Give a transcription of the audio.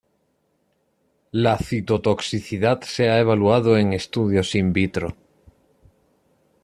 La citotoxicidad se ha evaluado en estudios in vitro.